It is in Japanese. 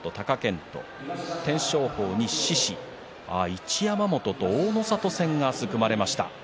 一山本と大の里戦が組まれました。